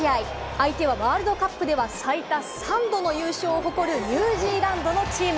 相手はワールドカップでは最多３度の優勝を誇るニュージーランドのチーム。